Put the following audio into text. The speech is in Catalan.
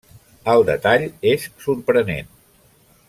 El detall és sorprenent.